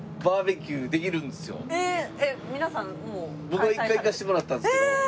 僕１回行かせてもらったんですけど。